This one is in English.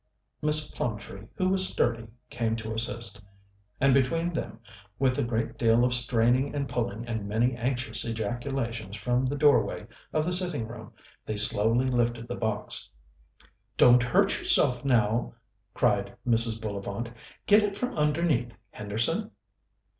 Miss Plumtree, who was sturdy, came to assist, and between them, with a great deal of straining and pulling, and many anxious ejaculations from the door way of the sitting room, they slowly lifted the box. "Don't hurt yourself, now!" cried Mrs. Bullivant. "Get it from underneath, Henderson!"